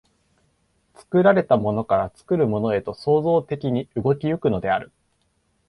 作られたものから作るものへと創造的に動き行くのである。